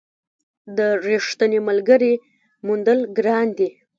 د رښتیني ملګري موندل ګران دي.